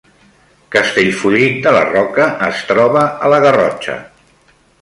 Castellfollit de la Roca es troba a la Garrotxa